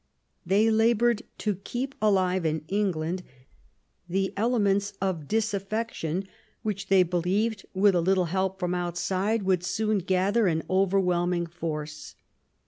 They laboured to keep alive in England the elements of disaffection which they believed, with a little help from outside, would soon gather an overwhelming force.